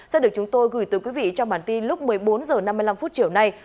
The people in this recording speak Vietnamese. sẽ được chúng tôi gửi tới quý vị trong bản tin lúc một mươi bốn h năm mươi năm chiều nay